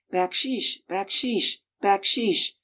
"Back sheesh! Backsheesh! Backsheesh!